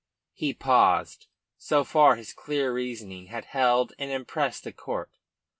He paused. So far his clear reasoning had held and impressed the court.